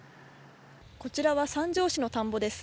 こちらは三条市の田んぼです。